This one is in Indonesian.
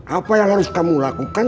apa yang harus kamu lakukan